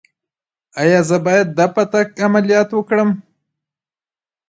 ایا زه باید د فتق عملیات وکړم؟